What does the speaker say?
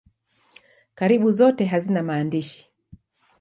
Karibu zote hazina maandishi.